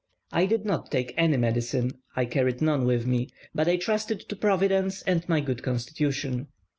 I did not take any medicine (I carried none with me), but trusted to Providence and my good constitution.